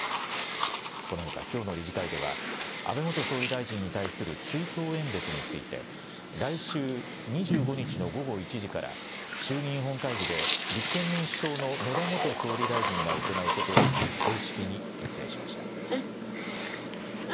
このほか、きょうの理事会では安倍元総理大臣に対する追悼演説について来週２５日の午後１時から衆議院本会議で立憲民主党の野田元総理大臣が行うことを正式に決定しました。